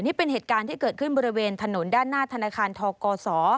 นี่เป็นเหตุการณ์ที่เกิดขึ้นบริเวณถนนด้านหน้าธนาคารทกศ